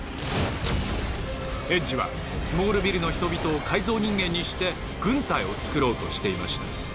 エッジはスモールビルの人々を改造人間にして軍隊を作ろうとしていました。